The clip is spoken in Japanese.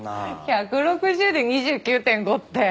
１６０で２９．５って。